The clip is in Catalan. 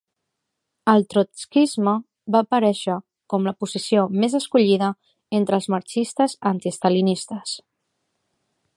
El trotskisme va aparèixer com la posició més escollida entre els marxistes antiestalinistes.